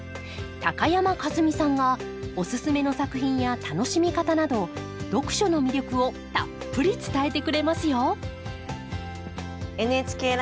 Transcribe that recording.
高山一実さんがおススメの作品や楽しみ方など読書の魅力をたっぷり伝えてくれますよ